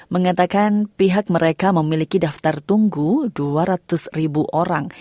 mengatakan pihak mereka memiliki daftar tunggu dua ratus ribu orang